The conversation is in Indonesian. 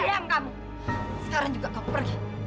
sayang kamu sekarang juga kamu pergi